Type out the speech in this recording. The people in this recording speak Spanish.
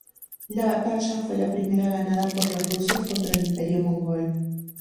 La batalla fue la primera ganada por los rusos contra el imperio mongol.